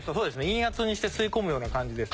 陰圧にして吸い込むような感じです。